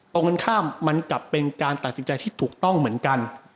ตรงกันข้ามมันกลับเป็นการตัดสินใจที่ถูกต้องเหมือนกัน